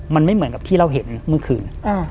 มันไม่เหมือนกับที่เราเห็นเมื่อคืน